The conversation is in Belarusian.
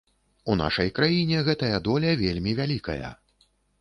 У нашай краіне гэтая доля вельмі вялікая.